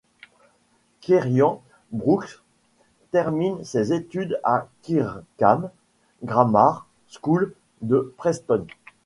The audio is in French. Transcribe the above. Kieran Brookes termine ses études à la Kirkham Grammar School de Preston.